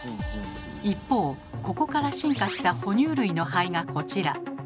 一方ここから進化した哺乳類の肺がこちら。